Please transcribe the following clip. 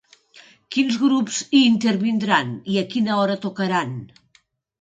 Quins grups hi intervindran i a quina hora tocaran?